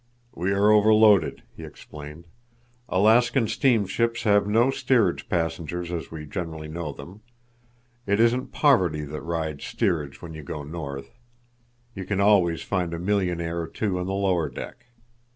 "We are overloaded," he explained. "Alaskan steam ships have no steerage passengers as we generally know them. It isn't poverty that rides steerage when you go north. You can always find a millionaire or two on the lower deck.